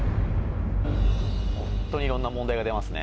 ホントにいろんな問題が出ますね。